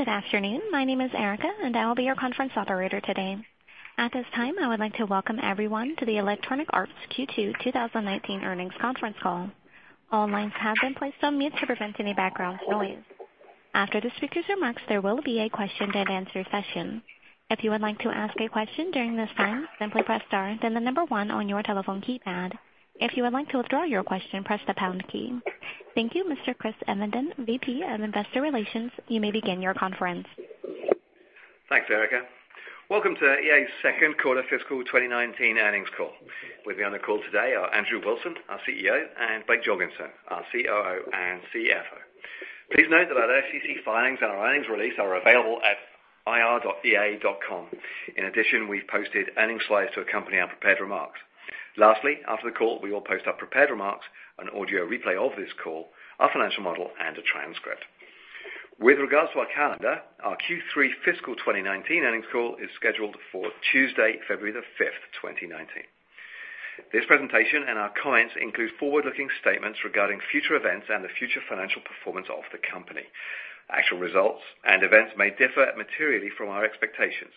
Good afternoon. My name is Erica, and I will be your conference operator today. At this time, I would like to welcome everyone to the Electronic Arts Q2 2019 earnings conference call. All lines have been placed on mute to prevent any background noise. After the speaker's remarks, there will be a question and answer session. If you would like to ask a question during this time, simply press star, then the number one on your telephone keypad. If you would like to withdraw your question, press the pound key. Thank you, Mr. Chris Evenden, VP of Investor Relations. You may begin your conference. Thanks, Erica. Welcome to EA's second quarter fiscal 2019 earnings call. With me on the call today are Andrew Wilson, our CEO, and Blake Jorgensen, our COO and CFO. Please note that our SEC filings and our earnings release are available at ir.ea.com. In addition, we've posted earnings slides to accompany our prepared remarks. Lastly, after the call, we will post our prepared remarks, an audio replay of this call, our financial model, and a transcript. With regards to our calendar, our Q3 fiscal 2019 earnings call is scheduled for Tuesday, February the 5th, 2019. This presentation and our comments include forward-looking statements regarding future events and the future financial performance of the company. Actual results and events may differ materially from our expectations.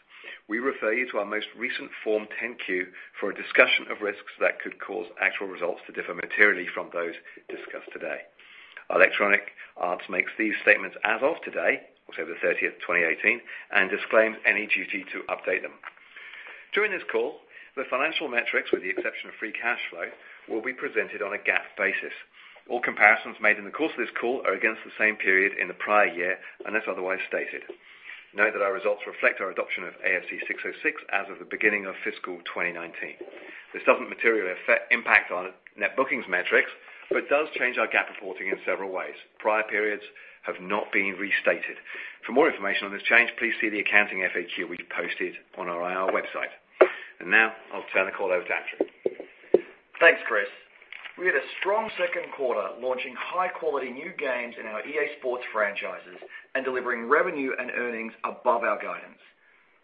We refer you to our most recent Form 10-Q for a discussion of risks that could cause actual results to differ materially from those discussed today. Electronic Arts makes these statements as of today, October the 30th, 2018, and disclaims any duty to update them. During this call, the financial metrics, with the exception of free cash flow, will be presented on a GAAP basis. All comparisons made in the course of this call are against the same period in the prior year, unless otherwise stated. Note that our results reflect our adoption of ASC 606 as of the beginning of fiscal 2019. This doesn't materially impact on net bookings metrics, but does change our GAAP reporting in several ways. Prior periods have not been restated. For more information on this change, please see the accounting FAQ we posted on our IR website. Now I'll turn the call over to Andrew. Thanks, Chris. We had a strong second quarter launching high-quality new games in our EA Sports franchises and delivering revenue and earnings above our guidance.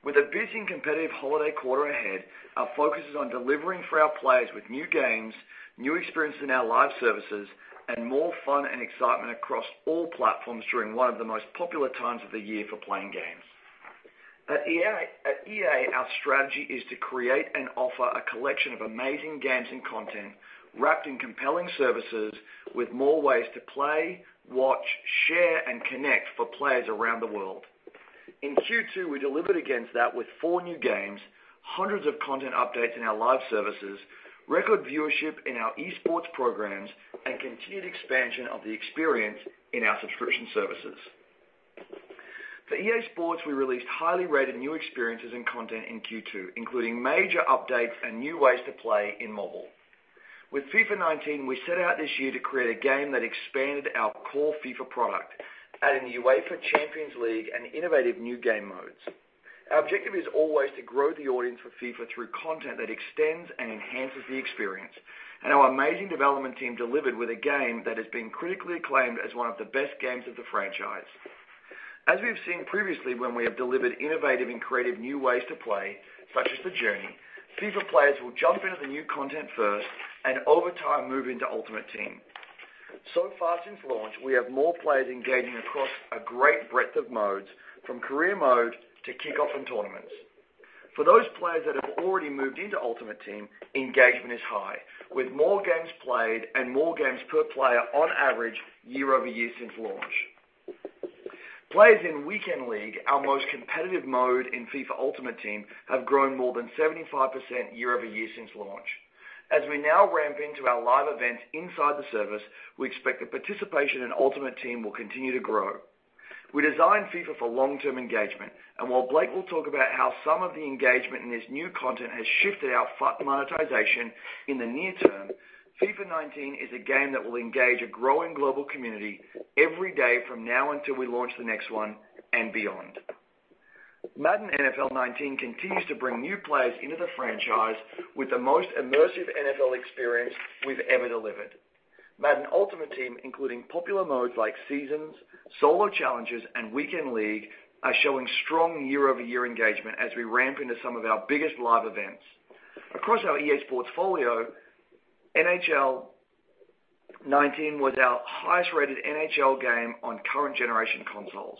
With a busy and competitive holiday quarter ahead, our focus is on delivering for our players with new games, new experiences in our live services, and more fun and excitement across all platforms during one of the most popular times of the year for playing games. At EA, our strategy is to create and offer a collection of amazing games and content wrapped in compelling services with more ways to play, watch, share, and connect for players around the world. In Q2, we delivered against that with four new games, hundreds of content updates in our live services, record viewership in our esports programs, and continued expansion of the experience in our subscription services. For EA Sports, we released highly rated new experiences and content in Q2, including major updates and new ways to play in mobile. With FIFA 19, we set out this year to create a game that expanded our core FIFA product, adding the UEFA Champions League and innovative new game modes. Our objective is always to grow the audience for FIFA through content that extends and enhances the experience. Our amazing development team delivered with a game that has been critically acclaimed as one of the best games of the franchise. As we've seen previously, when we have delivered innovative and creative new ways to play, such as The Journey, FIFA players will jump into the new content first and over time, move into Ultimate Team. So far since launch, we have more players engaging across a great breadth of modes, from career mode to kickoff and tournaments. For those players that have already moved into Ultimate Team, engagement is high, with more games played and more games per player on average year-over-year since launch. Players in Weekend League, our most competitive mode in FIFA Ultimate Team, have grown more than 75% year-over-year since launch. As we now ramp into our live events inside the service, we expect the participation in Ultimate Team will continue to grow. We designed FIFA for long-term engagement. While Blake will talk about how some of the engagement in this new content has shifted our FUT monetization in the near term, FIFA 19 is a game that will engage a growing global community every day from now until we launch the next one and beyond. Madden NFL 19 continues to bring new players into the franchise with the most immersive NFL experience we've ever delivered. Madden Ultimate Team, including popular modes like Seasons, Solo Challenges, and Weekend League, are showing strong year-over-year engagement as we ramp into some of our biggest live events. Across our EA Sports portfolio, NHL 19 was our highest-rated NHL game on current generation consoles.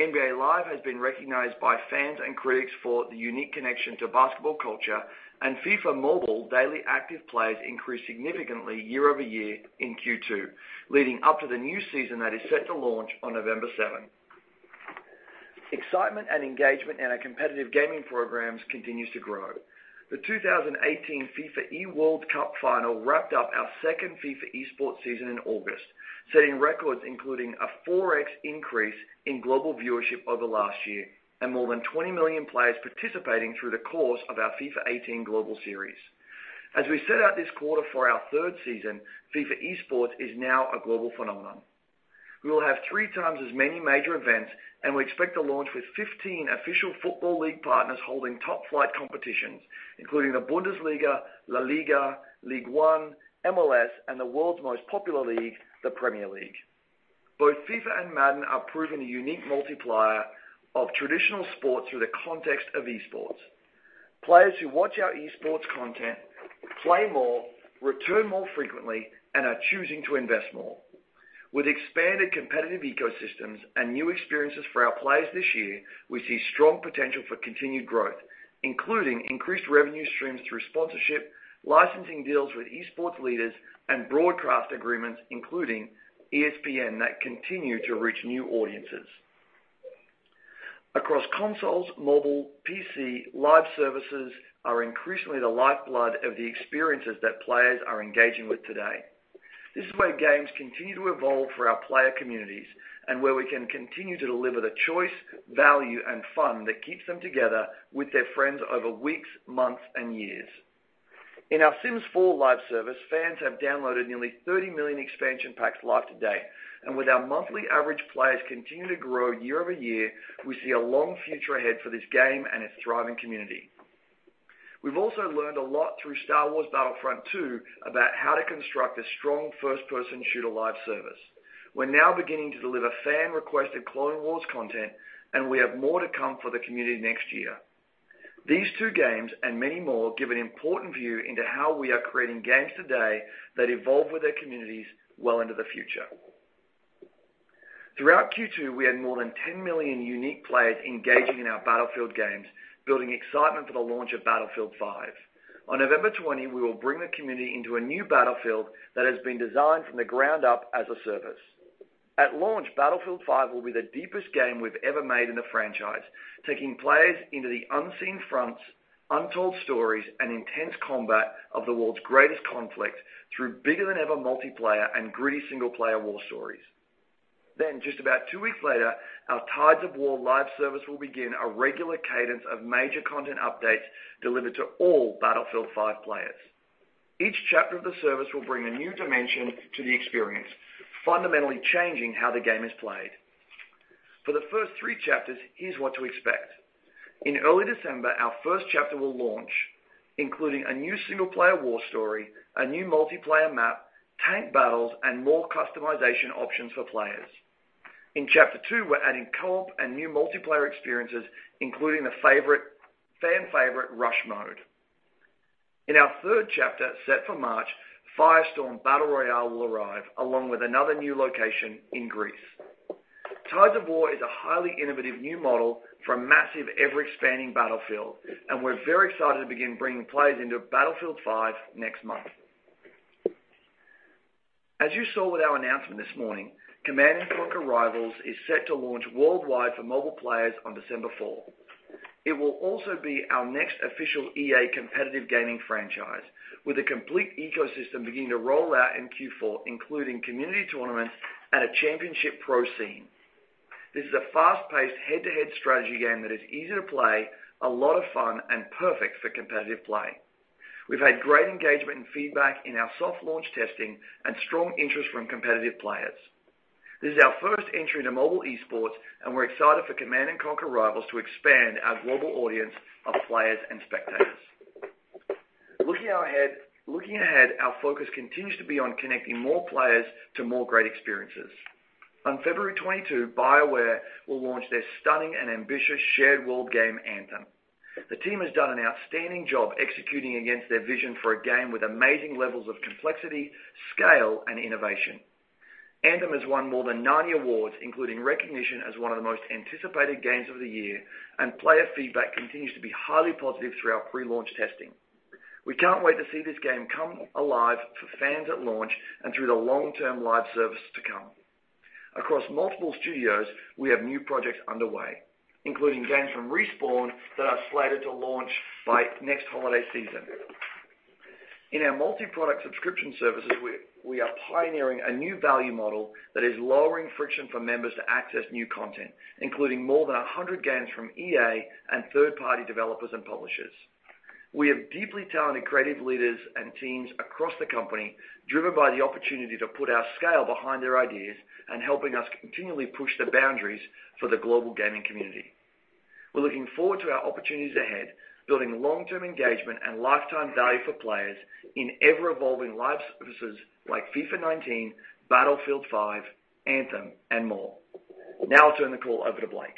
NBA Live has been recognized by fans and critics for the unique connection to basketball culture. FIFA Mobile daily active players increased significantly year-over-year in Q2, leading up to the new season that is set to launch on November 7th. Excitement and engagement in our competitive gaming programs continues to grow. The 2018 FIFA eWorld Cup Final wrapped up our second FIFA esports season in August, setting records including a 4x increase in global viewership over last year and more than 20 million players participating through the course of our FIFA 18 global series. As we set out this quarter for our third season, FIFA esports is now a global phenomenon. We will have three times as many major events. We expect to launch with 15 official football league partners holding top-flight competitions, including the Bundesliga, La Liga, Ligue 1, MLS, and the world's most popular league, the Premier League. Both FIFA and Madden are proving a unique multiplier of traditional sports through the context of esports. Players who watch our esports content play more, return more frequently, and are choosing to invest more. With expanded competitive ecosystems and new experiences for our players this year, we see strong potential for continued growth, including increased revenue streams through sponsorship, licensing deals with esports leaders, and broadcast agreements, including ESPN, that continue to reach new audiences. Across consoles, mobile, PC, live services are increasingly the lifeblood of the experiences that players are engaging with today. This is where games continue to evolve for our player communities and where we can continue to deliver the choice, value, and fun that keeps them together with their friends over weeks, months, and years. In our The Sims 4 live service, fans have downloaded nearly 30 million expansion packs live to date. With our monthly average players continuing to grow year-over-year, we see a long future ahead for this game and its thriving community. We've also learned a lot through Star Wars: Battlefront II about how to construct a strong first-person shooter live service. We're now beginning to deliver fan-requested Clone Wars content, and we have more to come for the community next year. These two games and many more give an important view into how we are creating games today that evolve with their communities well into the future. Throughout Q2, we had more than 10 million unique players engaging in our Battlefield games, building excitement for the launch of Battlefield V. On November 20, we will bring the community into a new Battlefield that has been designed from the ground up as a service. At launch, Battlefield V will be the deepest game we've ever made in the franchise, taking players into the unseen fronts, untold stories, and intense combat of the world's greatest conflict through bigger-than-ever multiplayer and gritty single-player war stories. Just about two weeks later, our Tides of War live service will begin a regular cadence of major content updates delivered to all Battlefield V players. Each chapter of the service will bring a new dimension to the experience, fundamentally changing how the game is played. For the first three chapters, here's what to expect. In early December, our first chapter will launch, including a new single-player war story, a new multiplayer map, tank battles, and more customization options for players. In chapter two, we're adding co-op and new multiplayer experiences, including the fan favorite Rush mode. In our third chapter, set for March, Firestorm Battle Royale will arrive, along with another new location in Greece. Tides of War is a highly innovative new model for a massive, ever-expanding Battlefield, and we're very excited to begin bringing players into Battlefield V next month. As you saw with our announcement this morning, Command & Conquer: Rivals is set to launch worldwide for mobile players on December 4. It will also be our next official EA competitive gaming franchise, with a complete ecosystem beginning to roll out in Q4, including community tournaments and a championship pro scene. This is a fast-paced, head-to-head strategy game that is easy to play, a lot of fun, and perfect for competitive play. We've had great engagement and feedback in our soft launch testing and strong interest from competitive players. This is our first entry into mobile esports, and we're excited for Command & Conquer: Rivals to expand our global audience of players and spectators. Looking ahead, our focus continues to be on connecting more players to more great experiences. On February 22, BioWare will launch their stunning and ambitious shared world game, Anthem. The team has done an outstanding job executing against their vision for a game with amazing levels of complexity, scale, and innovation. Anthem has won more than 90 awards, including recognition as one of the most anticipated games of the year, and player feedback continues to be highly positive through our pre-launch testing. We can't wait to see this game come alive for fans at launch and through the long-term live service to come. Across multiple studios, we have new projects underway, including games from Respawn that are slated to launch by next holiday season. In our multi-product subscription services, we are pioneering a new value model that is lowering friction for members to access new content, including more than 100 games from EA and third-party developers and publishers. We have deeply talented creative leaders and teams across the company driven by the opportunity to put our scale behind their ideas and helping us continually push the boundaries for the global gaming community. We're looking forward to our opportunities ahead, building long-term engagement and lifetime value for players in ever-evolving live services like FIFA 19, Battlefield V, Anthem, and more. I'll turn the call over to Blake.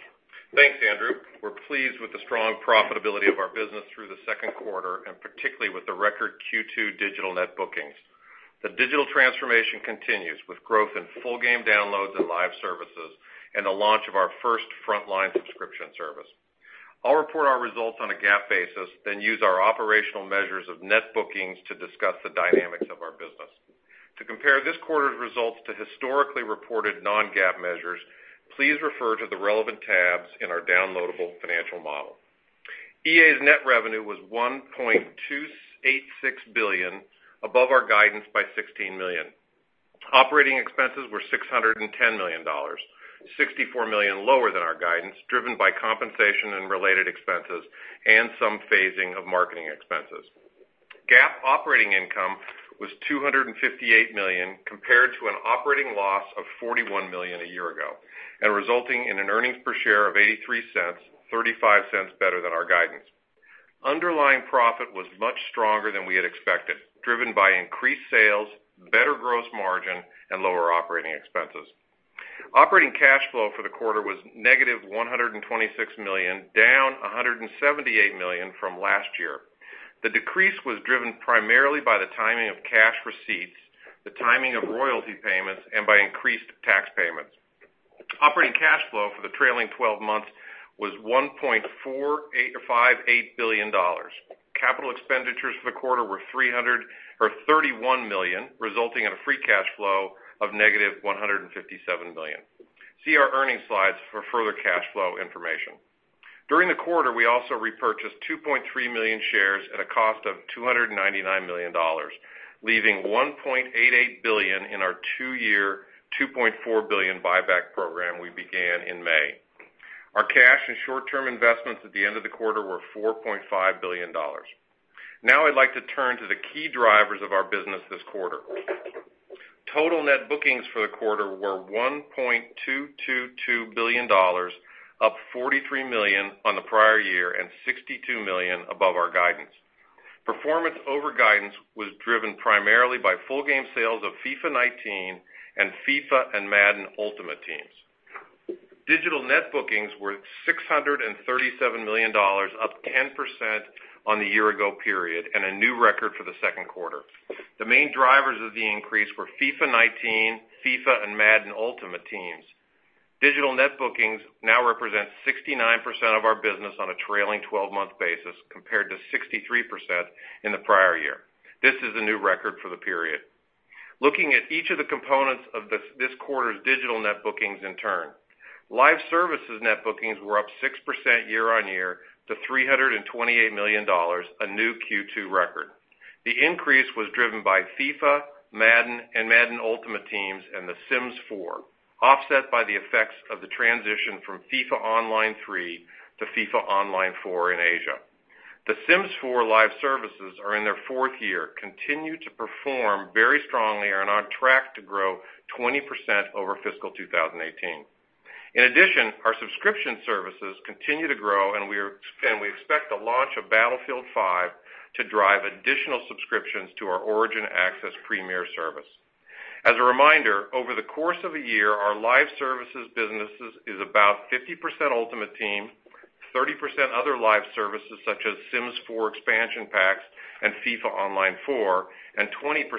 Thanks, Andrew. We're pleased with the strong profitability of our business through the second quarter, particularly with the record Q2 digital net bookings. The digital transformation continues, with growth in full game downloads and live services and the launch of our first frontline subscription service. I'll report our results on a GAAP basis, then use our operational measures of net bookings to discuss the dynamics of our business. To compare this quarter's results to historically reported non-GAAP measures, please refer to the relevant tabs in our downloadable financial model. EA's net revenue was $1.286 billion, above our guidance by $16 million. Operating expenses were $610 million, $64 million lower than our guidance, driven by compensation and related expenses, and some phasing of marketing expenses. GAAP operating income was $258 million compared to an operating loss of $41 million a year ago, resulting in an earnings per share of $0.83, $0.35 better than our guidance. Underlying profit was much stronger than we had expected, driven by increased sales, better gross margin, and lower operating expenses. Operating cash flow for the quarter was negative $126 million, down $178 million from last year. The decrease was driven primarily by the timing of cash receipts, the timing of royalty payments, and by increased tax payments. Operating cash flow for the trailing 12 months was $1.458 billion. Capital expenditures for the quarter were $31 million, resulting in a free cash flow of negative $157 million. See our earnings slides for further cash flow information. During the quarter, we also repurchased 2.3 million shares at a cost of $299 million, leaving $1.88 billion in our two-year, $2.4 billion buyback program we began in May. Our cash and short-term investments at the end of the quarter were $4.5 billion. I'd like to turn to the key drivers of our business this quarter. Total net bookings for the quarter were $1.222 billion, up $43 million on the prior year and $62 million above our guidance. Performance over guidance was driven primarily by full game sales of FIFA 19 and FIFA and Madden Ultimate Teams. Digital net bookings were $637 million, up 10% on the year ago period and a new record for the second quarter. The main drivers of the increase were FIFA 19, FIFA, and Madden Ultimate Team. Digital net bookings now represent 69% of our business on a trailing 12-month basis compared to 63% in the prior year. This is a new record for the period. Looking at each of the components of this quarter's digital net bookings in turn. Live services net bookings were up 6% year-on-year to $328 million, a new Q2 record. The increase was driven by FIFA, Madden, and Madden Ultimate Team and The Sims 4, offset by the effects of the transition from FIFA Online 3 to FIFA Online 4 in Asia. The Sims 4 live services are in their fourth year, continue to perform very strongly and are on track to grow 20% over fiscal 2018. In addition, our subscription services continue to grow, and we expect the launch of Battlefield V to drive additional subscriptions to our Origin Access Premier service. As a reminder, over the course of a year, our live services business is about 50% Ultimate Team, 30% other live services such as The Sims 4 expansion packs and FIFA Online 4, and 20%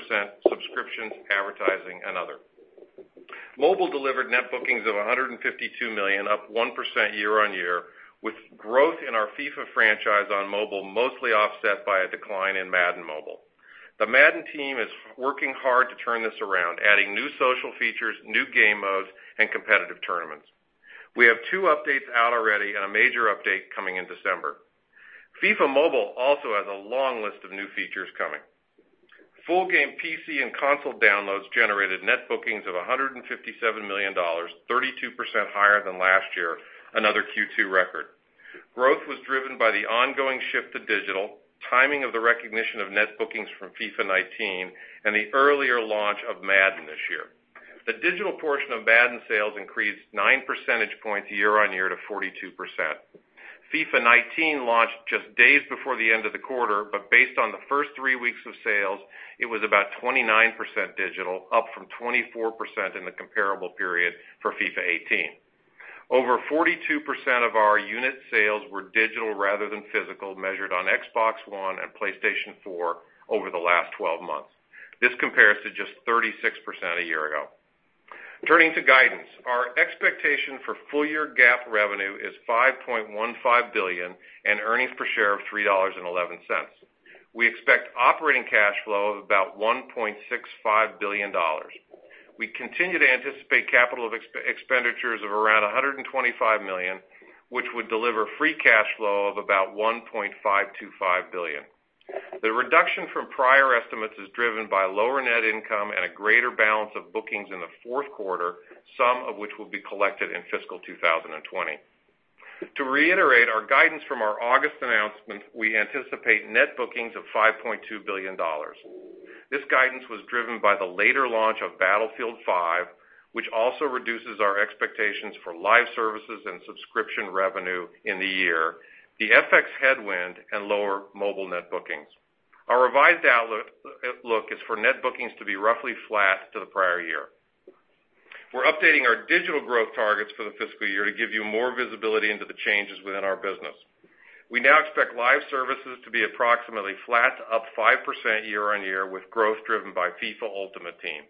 subscriptions, advertising, and other. Mobile delivered net bookings of $152 million up 1% year-on-year with growth in our FIFA franchise on mobile, mostly offset by a decline in Madden mobile. The Madden team is working hard to turn this around, adding new social features, new game modes, and competitive tournaments. We have two updates out already and a major update coming in December. FIFA Mobile also has a long list of new features coming. Full game PC and console downloads generated net bookings of $157 million, 32% higher than last year, another Q2 record. Growth was driven by the ongoing shift to digital, timing of the recognition of net bookings from FIFA 19, and the earlier launch of Madden this year. The digital portion of Madden sales increased nine percentage points year-on-year to 42%. FIFA 19 launched just days before the end of the quarter, but based on the first three weeks of sales, it was about 29% digital, up from 24% in the comparable period for FIFA 18. Over 42% of our unit sales were digital rather than physical, measured on Xbox One and PlayStation 4 over the last 12 months. This compares to just 36% a year ago. Turning to guidance. Our expectation for full year GAAP revenue is $5.15 billion and earnings per share of $3.11. We expect operating cash flow of about $1.65 billion. We continue to anticipate capital expenditures of around $125 million, which would deliver free cash flow of about $1.525 billion. The reduction from prior estimates is driven by lower net income and a greater balance of bookings in the fourth quarter, some of which will be collected in fiscal 2020. To reiterate our guidance from our August announcement, we anticipate net bookings of $5.2 billion. This guidance was driven by the later launch of Battlefield V, which also reduces our expectations for live services and subscription revenue in the year, the FX headwind, and lower mobile net bookings. Our revised outlook is for net bookings to be roughly flat to the prior year. We're updating our digital growth targets for the fiscal year to give you more visibility into the changes within our business. We now expect live services to be approximately flat to up 5% year-on-year with growth driven by FIFA Ultimate Team.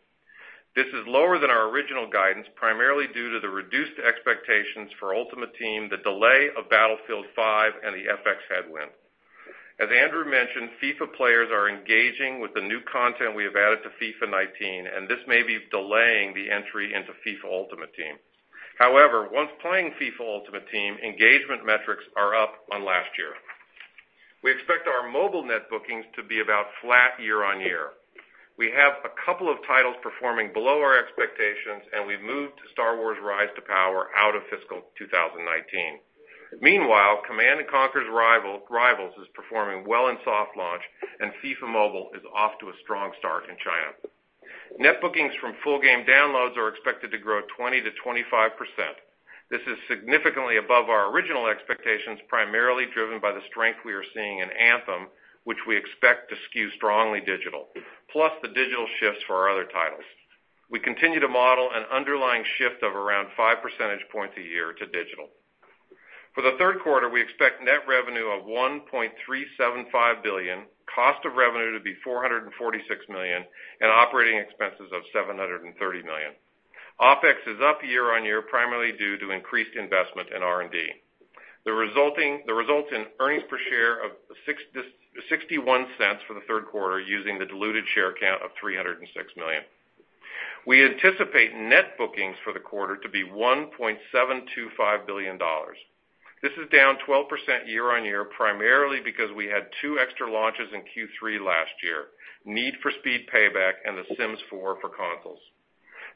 This is lower than our original guidance, primarily due to the reduced expectations for Ultimate Team, the delay of Battlefield V, and the FX headwind. As Andrew mentioned, FIFA players are engaging with the new content we have added to FIFA 19, and this may be delaying the entry into FIFA Ultimate Team. However, once playing FIFA Ultimate Team, engagement metrics are up on last year. We expect our mobile net bookings to be about flat year-on-year. We have a couple of titles performing below our expectations, and we've moved Star Wars: Rise to Power out of fiscal 2019. Meanwhile, Command & Conquer: Rivals is performing well in soft launch, and FIFA Mobile is off to a strong start in China. Net bookings from full game downloads are expected to grow 20%-25%. This is significantly above our original expectations, primarily driven by the strength we are seeing in Anthem, which we expect to skew strongly digital, plus the digital shifts for our other titles. We continue to model an underlying shift of around five percentage points a year to digital. For the third quarter, we expect net revenue of $1.375 billion, cost of revenue to be $446 million, and operating expenses of $730 million. OpEx is up year-on-year, primarily due to increased investment in R&D. The result in earnings per share of $0.61 for the third quarter, using the diluted share count of 306 million. We anticipate net bookings for the quarter to be $1.725 billion. This is down 12% year-on-year, primarily because we had two extra launches in Q3 last year, Need for Speed: Payback and The Sims 4 for consoles.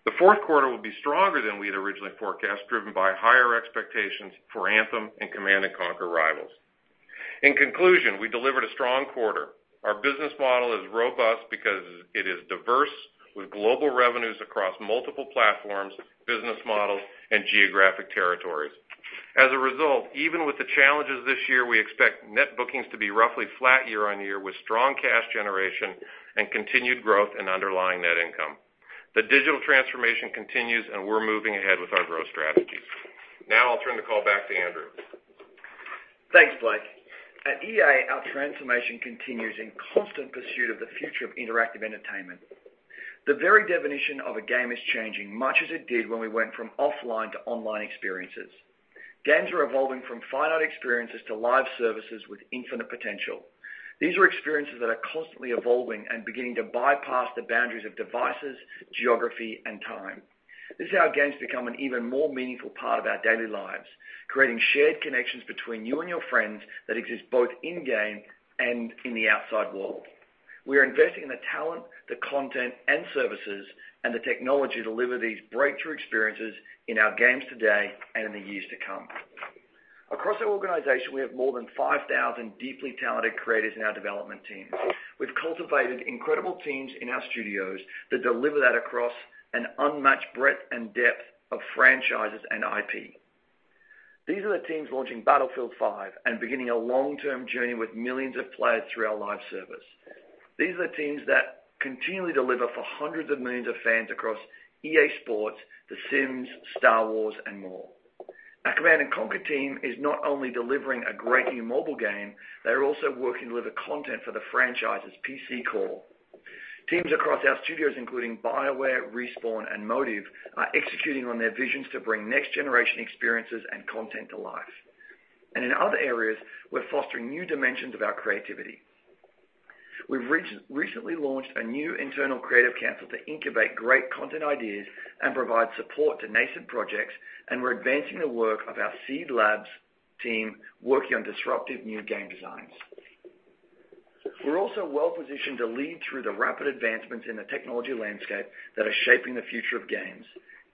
The fourth quarter will be stronger than we had originally forecast, driven by higher expectations for Anthem and Command & Conquer: Rivals. In conclusion, we delivered a strong quarter. Our business model is robust because it is diverse, with global revenues across multiple platforms, business models, and geographic territories. As a result, even with the challenges this year, we expect net bookings to be roughly flat year-on-year, with strong cash generation and continued growth in underlying net income. The digital transformation continues, and we're moving ahead with our growth strategies. Now I'll turn the call back to Andrew. Thanks, Blake. At EA, our transformation continues in constant pursuit of the future of interactive entertainment. The very definition of a game is changing, much as it did when we went from offline to online experiences. Games are evolving from finite experiences to live services with infinite potential. These are experiences that are constantly evolving and beginning to bypass the boundaries of devices, geography, and time. This is how games become an even more meaningful part of our daily lives, creating shared connections between you and your friends that exist both in-game and in the outside world. We are investing in the talent, the content and services, and the technology to deliver these breakthrough experiences in our games today and in the years to come. Across our organization, we have more than 5,000 deeply talented creators in our development teams. We've cultivated incredible teams in our studios that deliver that across an unmatched breadth and depth of franchises and IP. These are the teams launching Battlefield V and beginning a long-term journey with millions of players through our live service. These are the teams that continually deliver for hundreds of millions of fans across EA Sports, The Sims, Star Wars, and more. Our Command & Conquer team is not only delivering a great new mobile game, they are also working to deliver content for the franchise's PC core. Teams across our studios, including BioWare, Respawn, and Motive, are executing on their visions to bring next-generation experiences and content to life. In other areas, we're fostering new dimensions of our creativity. We've recently launched a new internal creative council to incubate great content ideas and provide support to nascent projects, and we're advancing the work of our SEED labs team working on disruptive new game designs. We're also well-positioned to lead through the rapid advancements in the technology landscape that are shaping the future of games.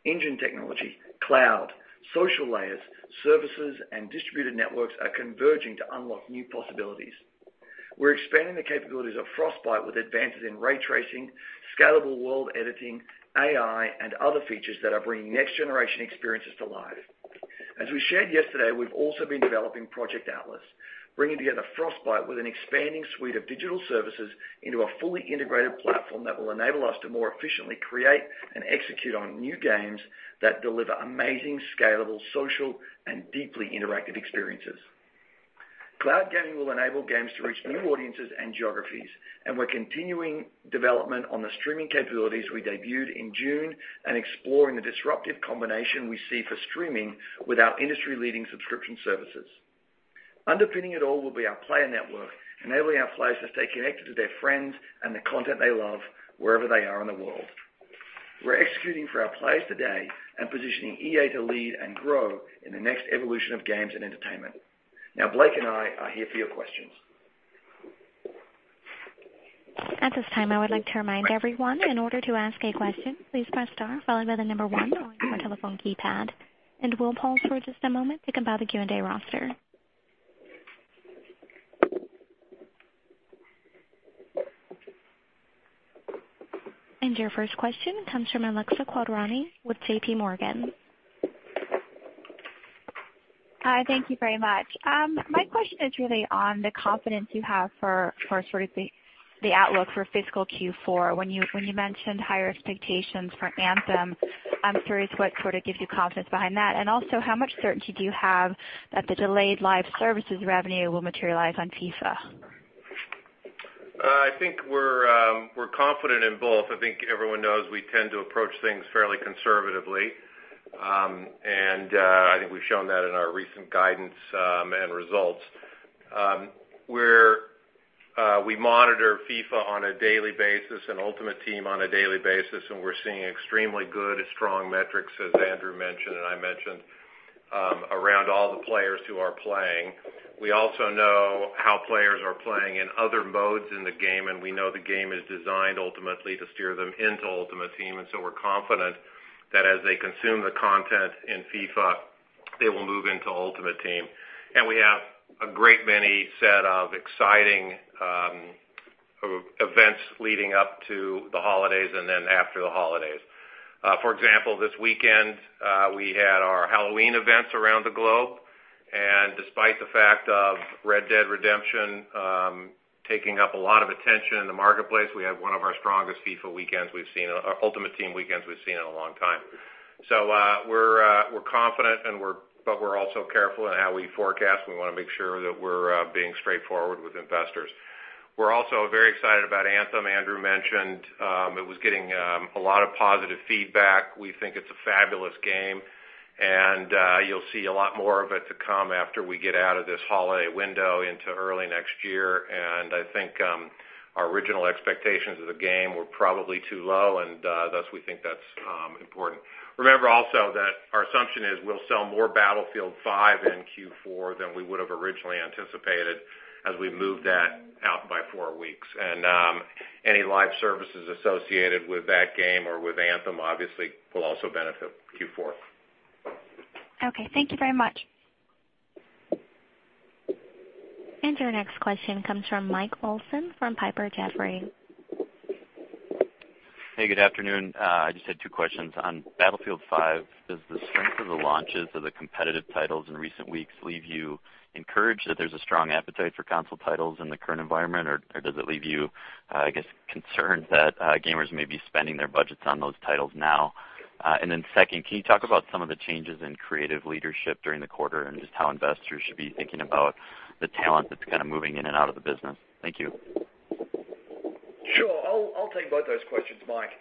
Engine technology, cloud, social layers, services, and distributed networks are converging to unlock new possibilities. We're expanding the capabilities of Frostbite with advances in ray tracing, scalable world editing, AI, and other features that are bringing next-generation experiences to life. As we shared yesterday, we've also been developing Project Atlas, bringing together Frostbite with an expanding suite of digital services into a fully integrated platform that will enable us to more efficiently create and execute on new games that deliver amazing scalable social and deeply interactive experiences. Cloud gaming will enable games to reach new audiences and geographies, and we're continuing development on the streaming capabilities we debuted in June and exploring the disruptive combination we see for streaming with our industry-leading subscription services. Underpinning it all will be our player network, enabling our players to stay connected to their friends and the content they love wherever they are in the world. We're executing for our players today and positioning EA to lead and grow in the next evolution of games and entertainment. Now Blake and I are here for your questions. At this time, I would like to remind everyone, in order to ask a question, please press star followed by the number one on your telephone keypad. We'll pause for just a moment to compile the Q&A roster. Your first question comes from Alexia Quadrani with JPMorgan. Hi, thank you very much. My question is really on the confidence you have for sort of the outlook for fiscal Q4. When you mentioned higher expectations for Anthem, I'm curious what sort of gives you confidence behind that. How much certainty do you have that the delayed live services revenue will materialize on FIFA? I think we're confident in both. I think everyone knows we tend to approach things fairly conservatively, I think we've shown that in our recent guidance and results. We monitor FIFA on a daily basis and Ultimate Team on a daily basis, we're seeing extremely good, strong metrics, as Andrew mentioned and I mentioned, around all the players who are playing. We also know how players are playing in other modes in the game, we know the game is designed ultimately to steer them into Ultimate Team, we're confident that as they consume the content in FIFA, they will move into Ultimate Team. We have a great many set of exciting events leading up to the holidays and then after the holidays. For example, this weekend, we had our Halloween events around the globe, despite the fact of Red Dead Redemption taking up a lot of attention in the marketplace, we had one of our strongest FIFA weekends we've seen, Ultimate Team weekends we've seen in a long time. We're confident, but we're also careful in how we forecast. We want to make sure that we're being straightforward with investors. We're also very excited about Anthem. Andrew mentioned it was getting a lot of positive feedback. We think it's a fabulous game, you'll see a lot more of it to come after we get out of this holiday window into early next year. I think our original expectations of the game were probably too low, thus we think that's important. Remember also that our assumption is we'll sell more Battlefield V in Q4 than we would have originally anticipated as we moved that out by four weeks. Any live services associated with that game or with Anthem obviously will also benefit Q4. Okay, thank you very much. Your next question comes from Mike Olson from Piper Jaffray. Hey, good afternoon. I just had two questions. On Battlefield V, does the strength of the launches of the competitive titles in recent weeks leave you encouraged that there's a strong appetite for console titles in the current environment, or does it leave you, I guess, concerned that gamers may be spending their budgets on those titles now? Then second, can you talk about some of the changes in creative leadership during the quarter and just how investors should be thinking about the talent that's kind of moving in and out of the business? Thank you. Sure. I'll take both those questions, Mike.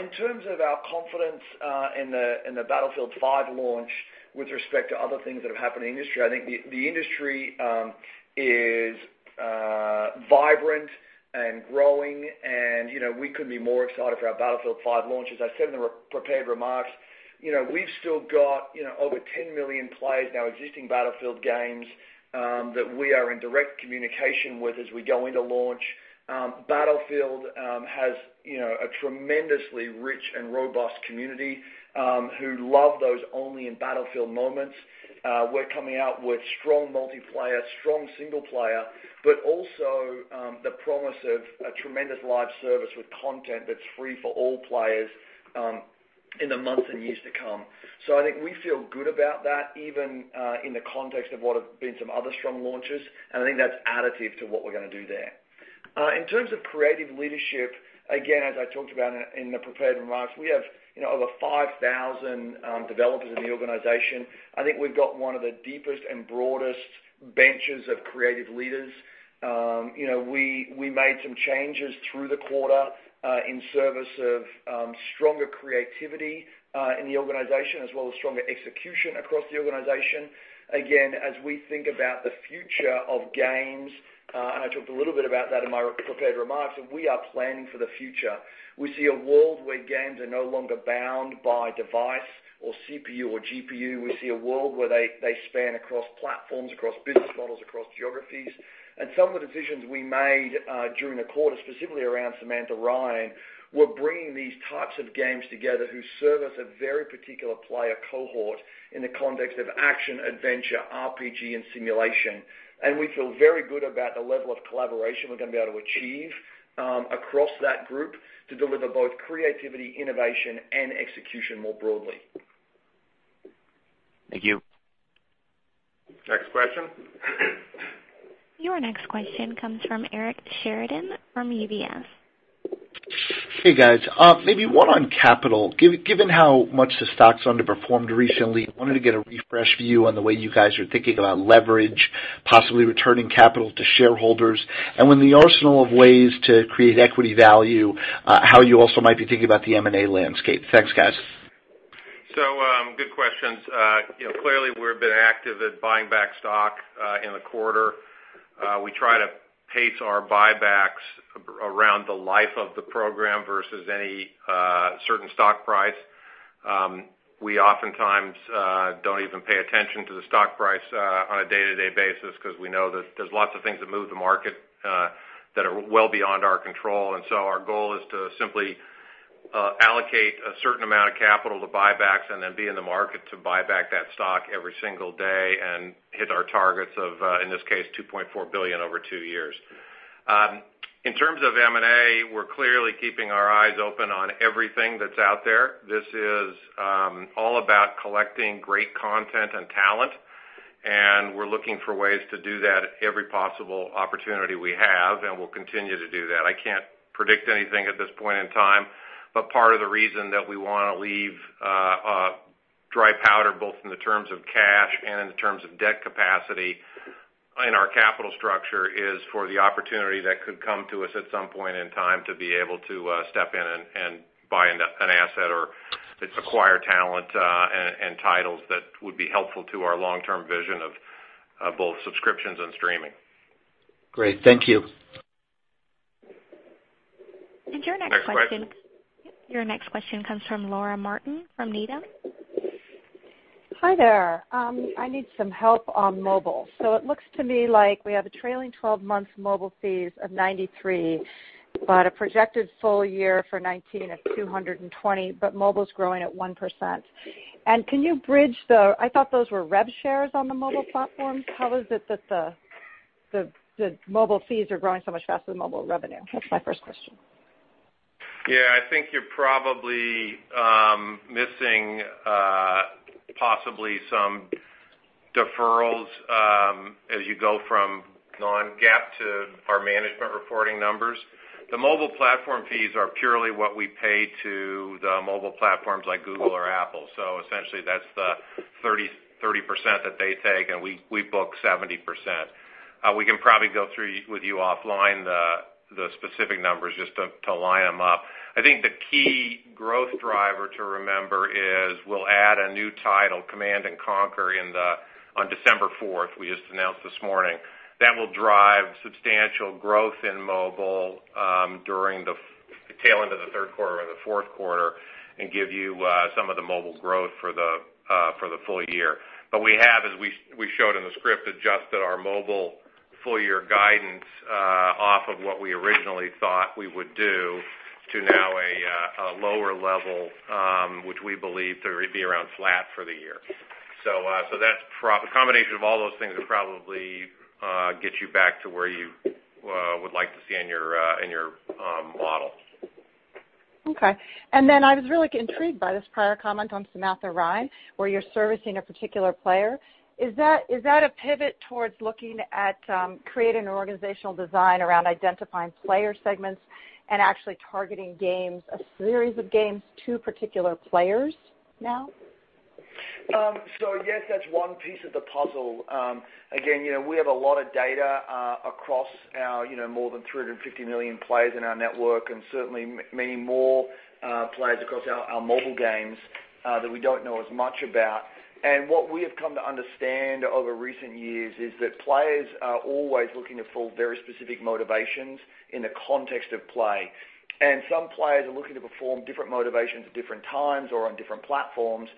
In terms of our confidence in the Battlefield V launch with respect to other things that have happened in the industry, I think the industry is vibrant and growing, and we couldn't be more excited for our Battlefield V launch. As I said in the prepared remarks, we've still got over 10 million players in our existing Battlefield games that we are in direct communication with as we go into launch. Battlefield has a tremendously rich and robust community who love those only-in-Battlefield moments. We're coming out with strong multiplayer, strong single player, but also the promise of a tremendous live service with content that's free for all players in the months and years to come. I think we feel good about that, even in the context of what have been some other strong launches, and I think that's additive to what we're going to do there. In terms of creative leadership, again, as I talked about in the prepared remarks, we have over 5,000 developers in the organization. I think we've got one of the deepest and broadest benches of creative leaders. We made some changes through the quarter in service of stronger creativity in the organization, as well as stronger execution across the organization. Again, as we think about the future of games, and I talked a little bit about that in my prepared remarks, we are planning for the future. We see a world where games are no longer bound by device or CPU or GPU. We see a world where they span across platforms, across business models, across geographies. Some of the decisions we made during the quarter, specifically around Samantha Ryan, were bringing these types of games together who service a very particular player cohort in the context of action, adventure, RPG, and simulation. We feel very good about the level of collaboration we're going to be able to achieve across that group to deliver both creativity, innovation, and execution more broadly. Thank you. Next question. Your next question comes from Eric Sheridan from UBS. Hey, guys. Maybe one on capital. Given how much the stock's underperformed recently, I wanted to get a refresh view on the way you guys are thinking about leverage, possibly returning capital to shareholders. When the arsenal of ways to create equity value, how you also might be thinking about the M&A landscape. Thanks, guys. Good questions. Clearly, we've been active at buying back stock in the quarter. We try to pace our buybacks around the life of the program versus any certain stock price. We oftentimes don't even pay attention to the stock price on a day-to-day basis because we know that there's lots of things that move the market that are well beyond our control. Our goal is to simply allocate a certain amount of capital to buybacks and then be in the market to buy back that stock every single day and hit our targets of, in this case, $2.4 billion over two years. In terms of M&A, we're clearly keeping our eyes open on everything that's out there. This is all about collecting great content and talent, and we're looking for ways to do that at every possible opportunity we have, and we'll continue to do that. I can't predict anything at this point in time, but part of the reason that we want to leave dry powder, both in the terms of cash and in the terms of debt capacity in our capital structure, is for the opportunity that could come to us at some point in time to be able to step in and buy an asset or acquire talent and titles that would be helpful to our long-term vision of both subscriptions and streaming. Great. Thank you. Your next question. Next question. Your next question comes from Laura Martin from Needham. Hi there. I need some help on mobile. It looks to me like we have a trailing 12 months mobile fees of $93. A projected full year for 2019 of $220, but mobile's growing at 1%. I thought those were rev shares on the mobile platforms. How is it that the mobile fees are growing so much faster than mobile revenue? That's my first question. I think you're probably missing possibly some deferrals as you go from non-GAAP to our management reporting numbers. The mobile platform fees are purely what we pay to the mobile platforms like Google or Apple. Essentially that's the 30% that they take, and we book 70%. We can probably go through with you offline the specific numbers just to line them up. I think the key growth driver to remember is we'll add a new title, Command & Conquer, on December 4th. We just announced this morning. That will drive substantial growth in mobile during the tail end of the third quarter or the fourth quarter and give you some of the mobile growth for the full year. We have, as we showed in the script, adjusted our mobile full-year guidance off of what we originally thought we would do to now a lower level, which we believe to be around flat for the year. That combination of all those things will probably get you back to where you would like to see in your model. Okay. Then I was really intrigued by this prior comment on Samantha Ryan, where you're servicing a particular player. Is that a pivot towards looking at creating an organizational design around identifying player segments and actually targeting games, a series of games to particular players now? Yes, that's one piece of the puzzle. Again, we have a lot of data across our more than 350 million players in our network and certainly many more players across our mobile games that we don't know as much about. What we have come to understand over recent years is that players are always looking to fulfill very specific motivations in the context of play. Some players are looking to perform different motivations at different times or on different platforms.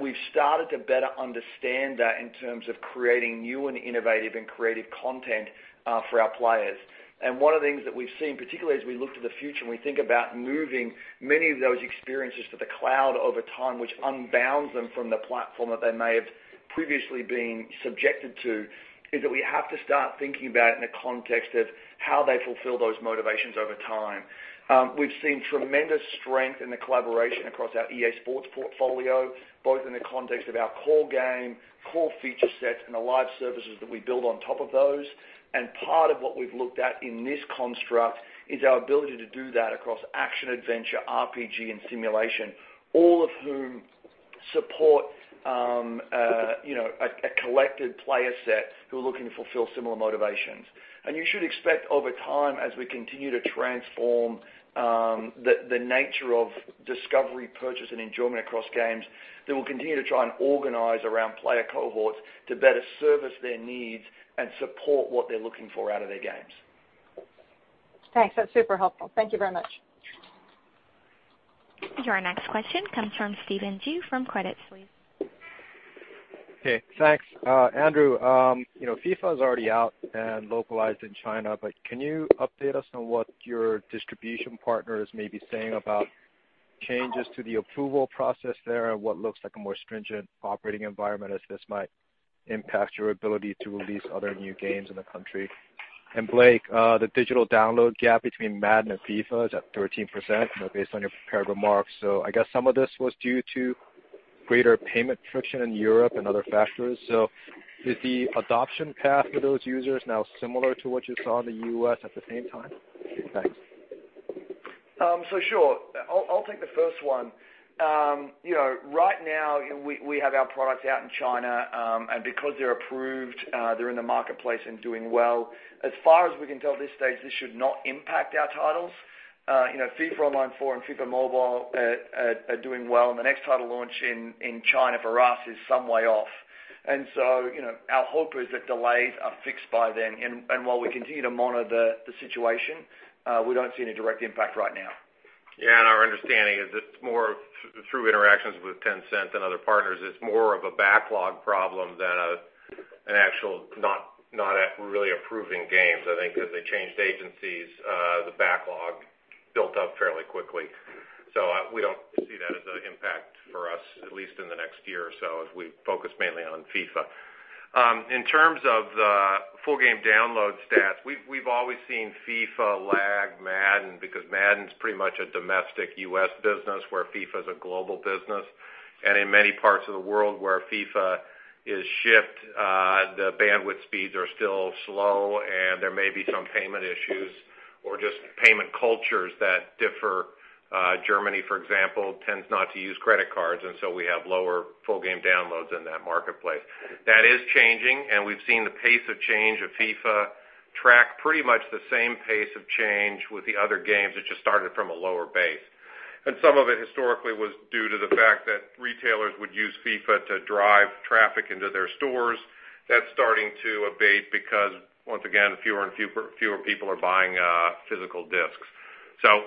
We've started to better understand that in terms of creating new and innovative and creative content for our players. One of the things that we've seen, particularly as we look to the future and we think about moving many of those experiences to the cloud over time, which unbounds them from the platform that they may have previously been subjected to, is that we have to start thinking about in the context of how they fulfill those motivations over time. We've seen tremendous strength in the collaboration across our EA Sports portfolio, both in the context of our core game, core feature set, and the live services that we build on top of those. Part of what we've looked at in this construct is our ability to do that across action-adventure, RPG, and simulation, all of whom support a collected player set who are looking to fulfill similar motivations. You should expect over time, as we continue to transform the nature of discovery, purchase, and enjoyment across games, that we'll continue to try and organize around player cohorts to better service their needs and support what they're looking for out of their games. Thanks. That's super helpful. Thank you very much. Your next question comes from Stephen Ju from Credit Suisse. Okay, thanks. Andrew, FIFA is already out and localized in China, but can you update us on what your distribution partners may be saying about changes to the approval process there and what looks like a more stringent operating environment as this might impact your ability to release other new games in the country? Blake, the digital download gap between Madden and FIFA is at 13%, based on your prepared remarks. I guess some of this was due to greater payment friction in Europe and other factors. Is the adoption path for those users now similar to what you saw in the U.S. at the same time? Thanks. Sure. I'll take the first one. Right now, we have our products out in China. Because they're approved, they're in the marketplace and doing well. As far as we can tell at this stage, this should not impact our titles. FIFA Online 4 and FIFA Mobile are doing well. The next title launch in China for us is some way off. Our hope is that delays are fixed by then. While we continue to monitor the situation, we don't see any direct impact right now. Yeah, our understanding is it's more through interactions with Tencent and other partners. It's more of a backlog problem than an actual not really approving games. I think because they changed agencies, the backlog built up fairly quickly. We don't see that as an impact for us, at least in the next year or so, as we focus mainly on FIFA. In terms of the full game download stats, we've always seen FIFA lag Madden because Madden's pretty much a domestic U.S. business where FIFA is a global business. In many parts of the world where FIFA is shipped, the bandwidth speeds are still slow and there may be some payment issues or just payment cultures that differ. Germany, for example, tends not to use credit cards, so we have lower full game downloads in that marketplace. That is changing. We've seen the pace of change of FIFA track pretty much the same pace of change with the other games. It just started from a lower base. Some of it historically was due to the fact that retailers would use FIFA to drive traffic into their stores. That's starting to abate because, once again, fewer people are buying physical discs.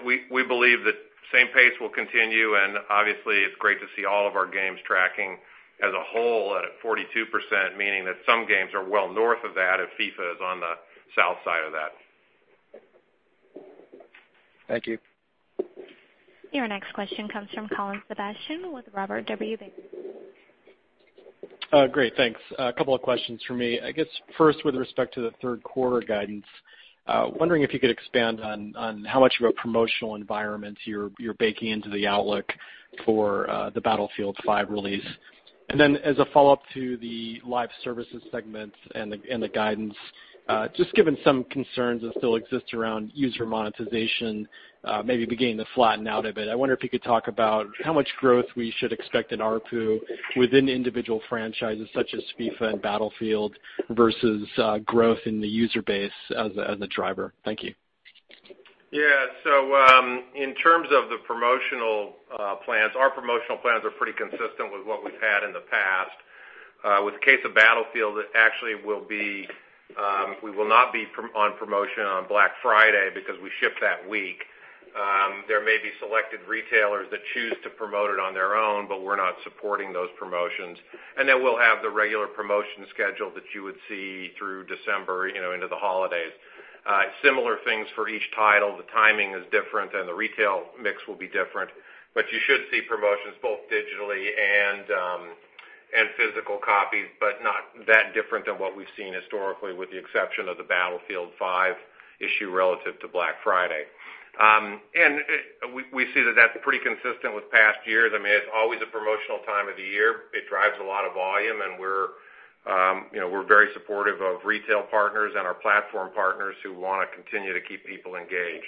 We believe that same pace will continue. Obviously it's great to see all of our games tracking as a whole at 42%, meaning that some games are well north of that and FIFA is on the south side of that. Thank you. Your next question comes from Colin Sebastian with Robert W. Baird. Great, thanks. A couple of questions from me. I guess first, with respect to the third quarter guidance, wondering if you could expand on how much of a promotional environment you're baking into the outlook for the Battlefield V release. Then as a follow-up to the live services segments and the guidance, just given some concerns that still exist around user monetization, maybe beginning to flatten out a bit. I wonder if you could talk about how much growth we should expect in ARPU within individual franchises such as FIFA and Battlefield versus growth in the user base as a driver. Thank you. In terms of the promotional plans, our promotional plans are pretty consistent with what we've had in the past. With the case of Battlefield, we will not be on promotion on Black Friday because we ship that week. There may be selected retailers that choose to promote it on their own, but we're not supporting those promotions. Then we'll have the regular promotion schedule that you would see through December into the holidays. Similar things for each title. The timing is different, and the retail mix will be different. But you should see promotions both digitally and physical copies, but not that different than what we've seen historically, with the exception of the Battlefield V issue relative to Black Friday. We see that that's pretty consistent with past years. It's always a promotional time of the year. It drives a lot of volume, we're very supportive of retail partners and our platform partners who want to continue to keep people engaged.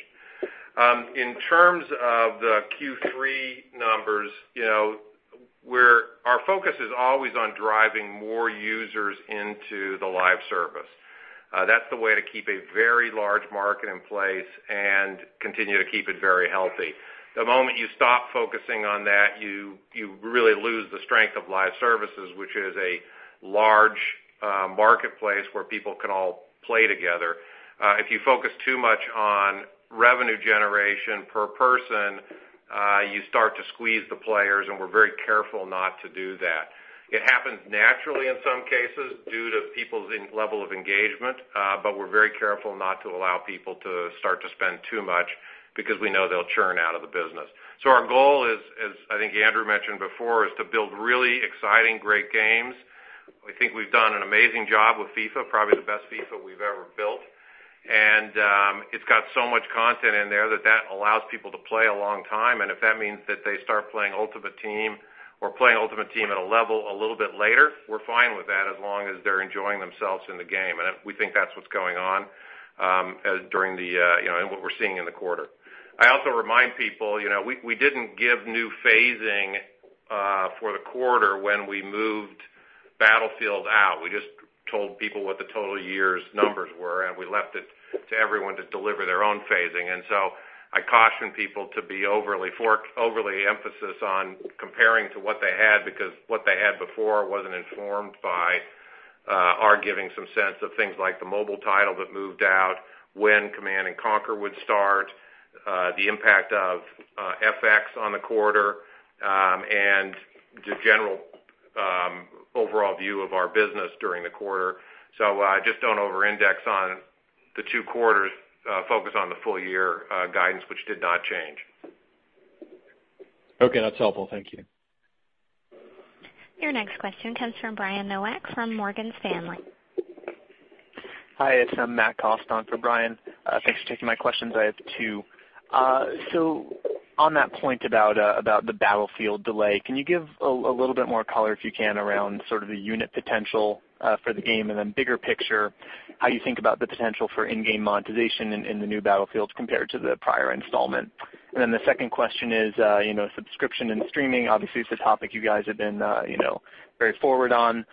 In terms of the Q3 numbers, our focus is always on driving more users into the live service. That's the way to keep a very large market in place and continue to keep it very healthy. The moment you stop focusing on that, you really lose the strength of live services, which is a large marketplace where people can all play together. If you focus too much on revenue generation per person, you start to squeeze the players, and we're very careful not to do that. It happens naturally in some cases due to people's level of engagement. We're very careful not to allow people to start to spend too much because we know they'll churn out of the business. Our goal is, as I think Andrew mentioned before, is to build really exciting, great games. We think we've done an amazing job with FIFA, probably the best FIFA we've ever built. It's got so much content in there that that allows people to play a long time. If that means that they start playing Ultimate Team or playing Ultimate Team at a level a little bit later, we're fine with that as long as they're enjoying themselves in the game. We think that's what's going on in what we're seeing in the quarter. I also remind people, we didn't give new phasing for the quarter when we moved Battlefield out. We just told people what the total year's numbers were, and we left it to everyone to deliver their own phasing. I caution people to be overly emphasis on comparing to what they had because what they had before wasn't informed by our giving some sense of things like the mobile title that moved out, when Command & Conquer would start, the impact of FX on the quarter, and the general overall view of our business during the quarter. Just don't over-index on the two quarters. Focus on the full-year guidance, which did not change. Okay, that's helpful. Thank you. Your next question comes from Brian Nowak from Morgan Stanley. Hi, it's Matt Cost on for Brian. Thanks for taking my questions. I have two. On that point about the Battlefield delay, can you give a little bit more color, if you can, around sort of the unit potential for the game and then bigger picture, how you think about the potential for in-game monetization in the new Battlefield compared to the prior installment? The second question is subscription and streaming. Obviously, it's a topic you guys have been very forward on.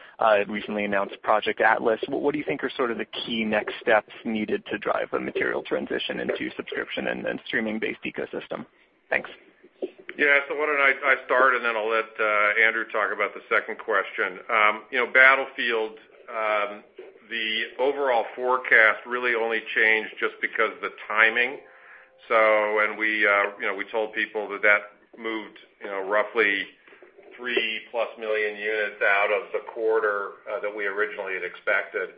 Recently announced Project Atlas. What do you think are sort of the key next steps needed to drive a material transition into subscription and streaming-based ecosystem? Thanks. Why don't I start, and then I'll let Andrew talk about the second question. Battlefield, the overall forecast really only changed just because of the timing. When we told people that that moved roughly 3-plus million units out of the quarter that we originally had expected,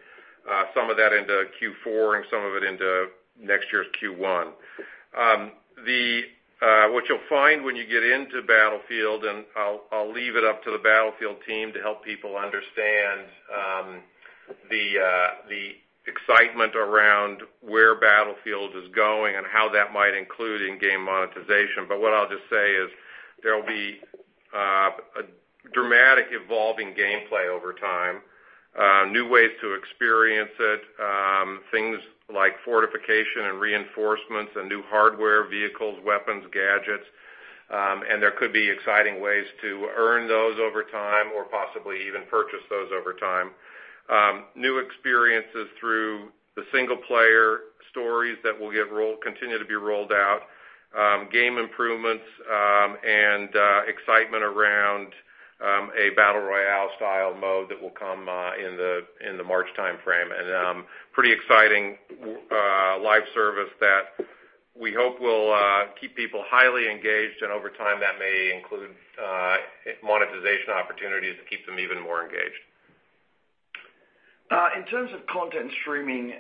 some of that into Q4 and some of it into next year's Q1. What you'll find when you get into Battlefield, and I'll leave it up to the Battlefield team to help people understand the excitement around where Battlefield is going and how that might include in-game monetization. What I'll just say is there will be a dramatic evolving gameplay over time, new ways to experience it, things like fortification and reinforcements and new hardware, vehicles, weapons, gadgets. There could be exciting ways to earn those over time or possibly even purchase those over time. New experiences through the single-player stories that will continue to be rolled out, game improvements, and excitement around a Battle Royale style mode that will come in the March timeframe. Pretty exciting live service that we hope will keep people highly engaged, and over time, that may include monetization opportunities to keep them even more engaged. In terms of content streaming,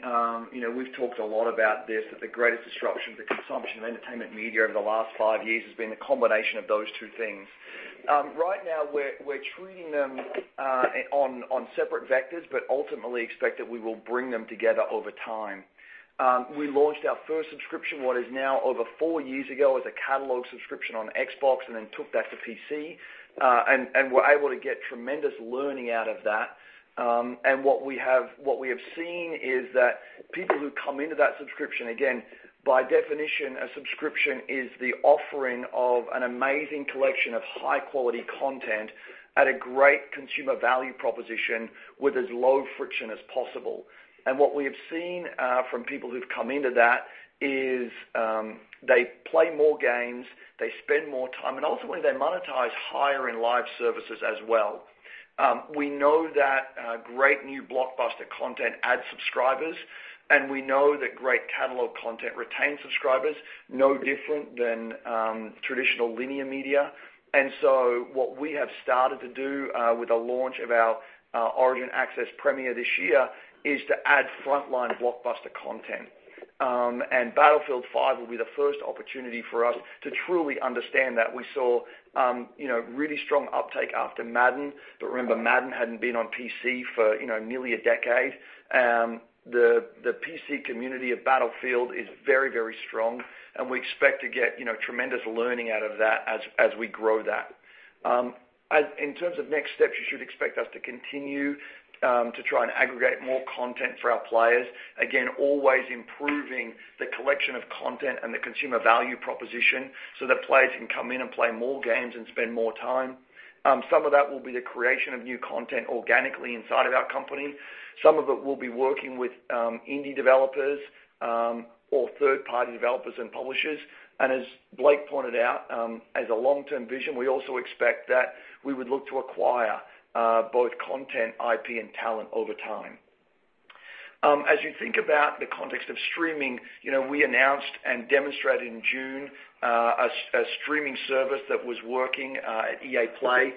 we've talked a lot about this, that the greatest disruption of the consumption of entertainment media over the last five years has been a combination of those two things. Right now, we're treating them on separate vectors, but ultimately expect that we will bring them together over time. We launched our first subscription, what is now over four years ago, as a catalog subscription on Xbox, then took that to PC, and were able to get tremendous learning out of that. What we have seen is that people who come into that subscription, again, by definition, a subscription is the offering of an amazing collection of high-quality content at a great consumer value proposition with as low friction as possible. What we have seen from people who've come into that is they play more games, they spend more time, and ultimately, they monetize higher-end live services as well. We know that great new blockbuster content adds subscribers, and we know that great catalog content retains subscribers, no different than traditional linear media. What we have started to do with the launch of our Origin Access Premier this year is to add frontline blockbuster content. Battlefield V will be the first opportunity for us to truly understand that. We saw really strong uptake after Madden, but remember, Madden hadn't been on PC for nearly a decade. The PC community of Battlefield is very strong, and we expect to get tremendous learning out of that as we grow that. In terms of next steps, you should expect us to continue to try and aggregate more content for our players. Again, always improving the collection of content and the consumer value proposition so that players can come in and play more games and spend more time. Some of that will be the creation of new content organically inside of our company. Some of it will be working with indie developers or third-party developers and publishers. As Blake pointed out, as a long-term vision, we also expect that we would look to acquire both content, IP, and talent over time. As you think about the context of streaming, we announced and demonstrated in June a streaming service that was working at EA Play.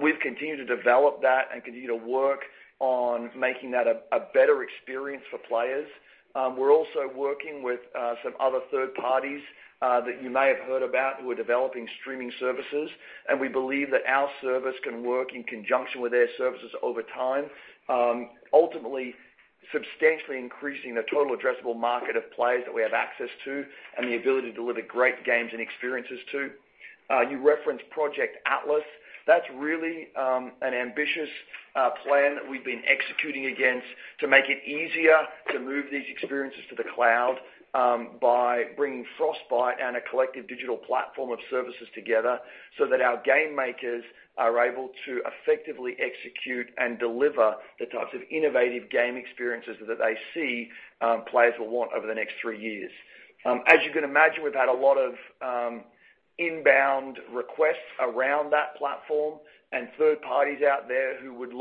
We've continued to develop that and continue to work on making that a better experience for players. We're also working with some other third parties that you may have heard about who are developing streaming services, and we believe that our service can work in conjunction with their services over time, ultimately substantially increasing the total addressable market of players that we have access to and the ability to deliver great games and experiences, too. You referenced Project Atlas. That's really an ambitious plan that we've been executing against to make it easier to move these experiences to the cloud by bringing Frostbite and a collective digital platform of services together so that our game makers are able to effectively execute and deliver the types of innovative game experiences that they see players will want over the next three years. As you can imagine, we've had a lot of inbound requests around that platform and third parties out there who would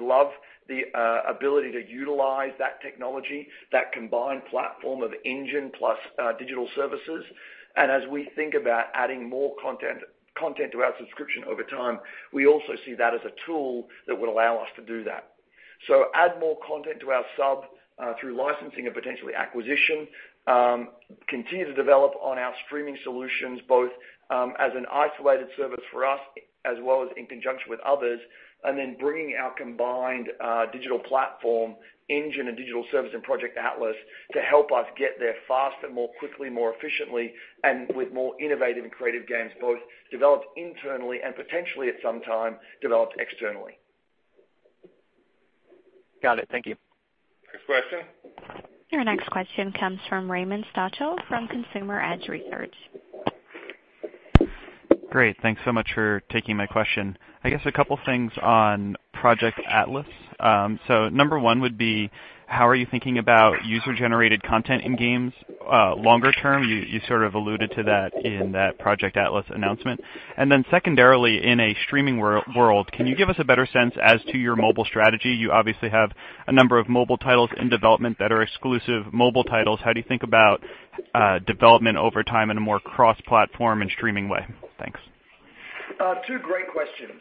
love the ability to utilize that technology, that combined platform of engine plus digital services. As we think about adding more content to our subscription over time, we also see that as a tool that would allow us to do that. Add more content to our sub through licensing and potentially acquisition, continue to develop on our streaming solutions, both as an isolated service for us as well as in conjunction with others, and then bringing our combined digital platform engine and digital service and Project Atlas to help us get there faster, more quickly, more efficiently, and with more innovative and creative games, both developed internally and potentially at some time, developed externally. Got it. Thank you. Next question. Your next question comes from Raymond Stochel from Consumer Edge Research. Great. Thanks so much for taking my question. I guess a couple things on Project Atlas. Number 1 would be, how are you thinking about user-generated content in games longer term? You sort of alluded to that in that Project Atlas announcement. Secondarily, in a streaming world, can you give us a better sense as to your mobile strategy? You obviously have a number of mobile titles in development that are exclusive mobile titles. How do you think about development over time in a more cross-platform and streaming way? Thanks. Two great questions.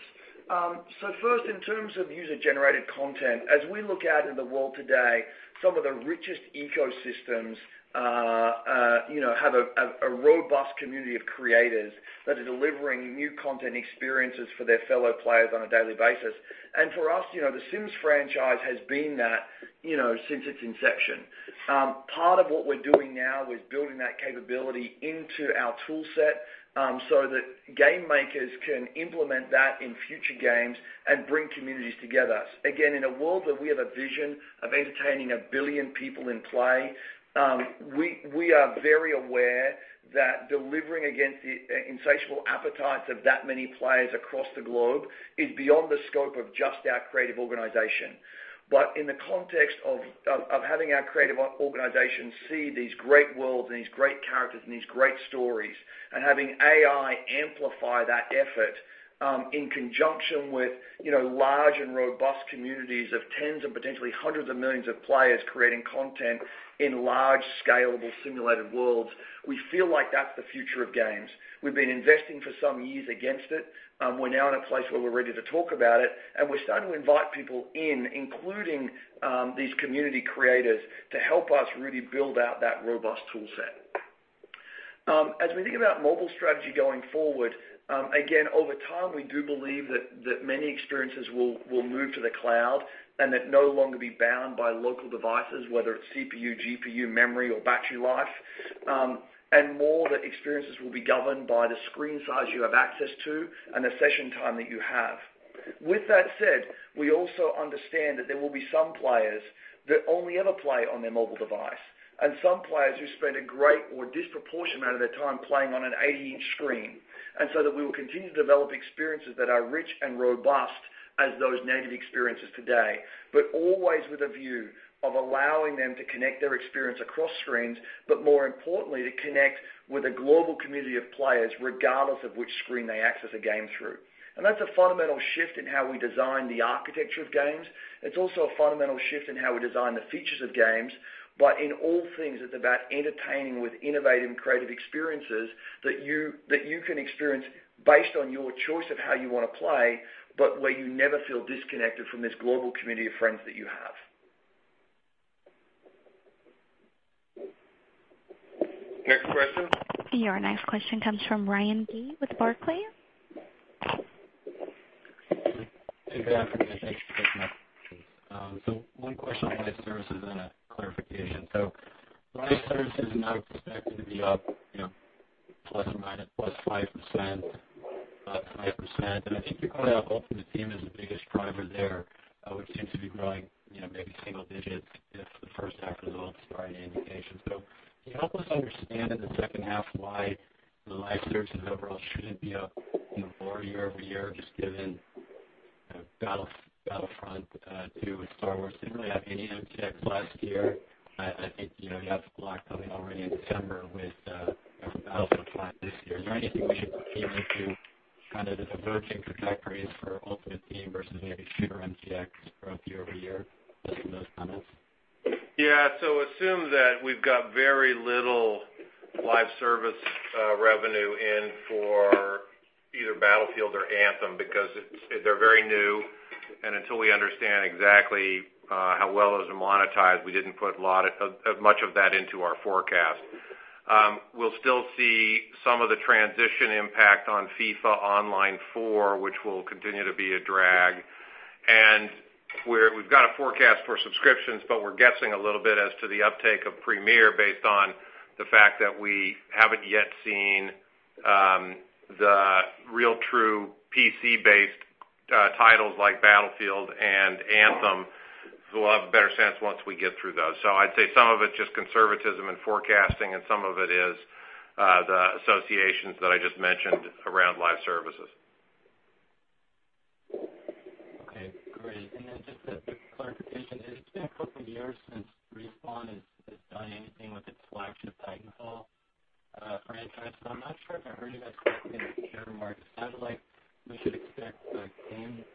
First, in terms of user-generated content, as we look out in the world today, some of the richest ecosystems have a robust community of creators that are delivering new content experiences for their fellow players on a daily basis. For us, The Sims franchise has been that since its inception. Part of what we're doing now is building that capability into our tool set so that game makers can implement that in future games and bring communities together. Again, in a world where we have a vision of entertaining a billion people in play, we are very aware that delivering against the insatiable appetites of that many players across the globe is beyond the scope of just our creative organization. In the context of having our creative organization see these great worlds and these great characters and these great stories, and having AI amplify that effort in conjunction with large and robust communities of tens and potentially hundreds of millions of players creating content in large, scalable, simulated worlds, we feel like that's the future of games. We've been investing for some years against it. We're now in a place where we're ready to talk about it, and we're starting to invite people in, including these community creators, to help us really build out that robust tool set. As we think about mobile strategy going forward, again, over time, we do believe that many experiences will move to the cloud and that no longer be bound by local devices, whether it's CPU, GPU, memory, or battery life. More of the experiences will be governed by the screen size you have access to and the session time that you have. With that said, we also understand that there will be some players that only ever play on their mobile device, and some players who spend a great or disproportionate amount of their time playing on an 80-inch screen. We will continue to develop experiences that are rich and robust as those native experiences today, but always with a view of allowing them to connect their experience across screens, but more importantly, to connect with a global community of players, regardless of which screen they access a game through. That's a fundamental shift in how we design the architecture of games. It's also a fundamental shift in how we design the features of games. In all things, it's about entertaining with innovative and creative experiences that you can experience based on your choice of how you want to play, but where you never feel disconnected from this global community of friends that you have. Next question. Your next question comes from Ryan Gee with Barclays. Good afternoon. Thanks for taking my questions. One question on live services and a clarification. Live services are now expected to be up plus or minus plus 5%, up 5%. I think you're calling out Ultimate Team as the biggest driver there, which seems to be growing maybe single digits if the first half results are any indication. Can you help us understand in the second half why the live services overall shouldn't be up lower year-over-year, just given Battlefront II with Star Wars didn't really have any MTX last year. I think you have Firestorm coming already in December with Battlefield V this year. Is there anything we should be keying into, kind of the diverging trajectories for Ultimate Team versus maybe shooter MTX growth year-over-year based on those comments? Yeah. Assume that we've got very little live service revenue in for either Battlefield or Anthem because they're very new, and until we understand exactly how well those are monetized, we didn't put much of that into our forecast. We'll still see some of the transition impact on FIFA Online 4, which will continue to be a drag. We've got a forecast for subscriptions, but we're guessing a little bit as to the uptake of Premier based on the fact that we haven't yet seen the real true PC-based titles like Battlefield and Anthem. We'll have a better sense once we get through those. I'd say some of it's just conservatism and forecasting, and some of it is the associations that I just mentioned around live services. Okay, great. Just a quick clarification. It's been a couple of years since Respawn has done anything with its flagship Titanfall franchise, so I'm not sure if I heard you guys correctly in the [inaudible] satellite. We should expect games,